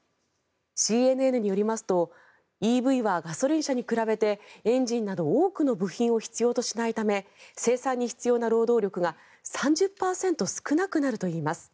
ＣＮＮによりますとＥＶはガソリン車に比べてエンジンなど多くの部品を必要としないため生産に必要な労働力が３０％少なくなるといいます。